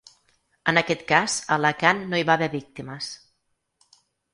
En aquest cas, a Alacant no hi va haver víctimes.